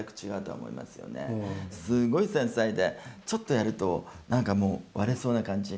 すごい繊細でちょっとやると何かもう割れそうな感じ。